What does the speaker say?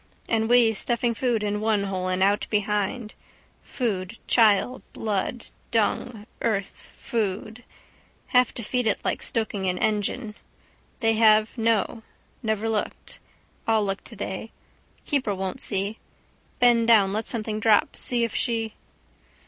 And we stuffing food in one hole and out behind: food, chyle, blood, dung, earth, food: have to feed it like stoking an engine. They have no. Never looked. I'll look today. Keeper won't see. Bend down let something fall see if she.